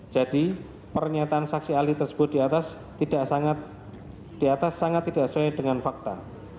jadi pernyataan saksi ahli tersebut di atas sangat tidak sesuai dengan fakta